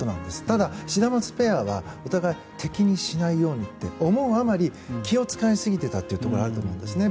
ただ、シダマツペアはお互い敵にしないようにって思うあまり、気を使いすぎていたところがあるんですね。